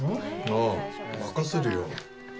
ああ、任せるよ。